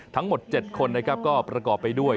ทั้งหมด๗คนนะครับก็ประกอบไปด้วย